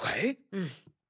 うん。